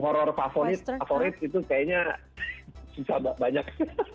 kalau ditanyain film horor favorit itu kayaknya susah banyak